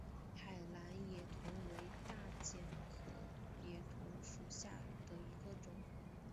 海南野桐为大戟科野桐属下的一个种。